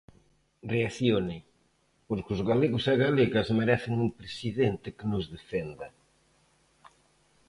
Reaccione, porque os galegos e galegas merecen un presidente que nos defenda.